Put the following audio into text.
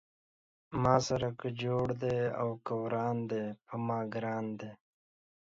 ما سره که جوړ دی او که وران دی پۀ ما ګران دی